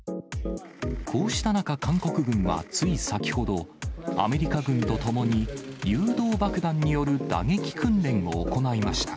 こうした中、韓国軍はつい先ほど、アメリカ軍と共に、誘導爆弾による打撃訓練を行いました。